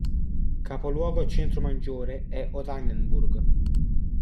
Capoluogo e centro maggiore è Oranienburg.